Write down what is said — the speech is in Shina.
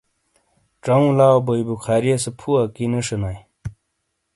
چؤوں لاؤ بوئے بخاریئے سے پھو اکی نے شئنائے۔